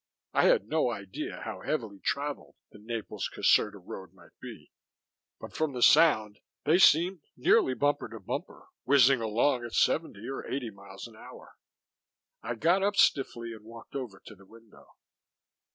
I had no idea how heavily traveled the Naples Caserta road might be, but from the sound, they seemed nearly bumper to bumper, whizzing along at seventy or eighty miles an hour. I got up stiffly and walked over to the window.